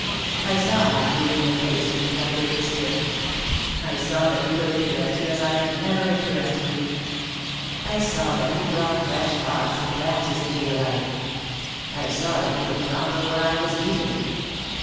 I saw my doom in your face when Cuthbert was here. I saw that he could interest you as I had never interested you. I saw that he brought fresh thoughts and fancies into your life. I saw that he could conquer where I was beaten."